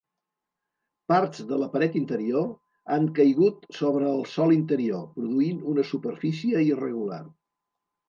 Parts de la paret interior han caigut sobre el sòl interior, produint una superfície irregular.